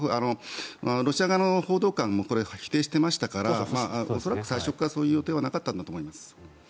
ロシア側の報道官もこれを否定していましたから最初からそういう予定はなかったんだと思います。